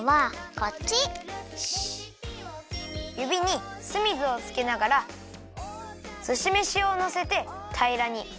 ゆびに酢水をつけながらすしめしをのせてたいらにひろげます！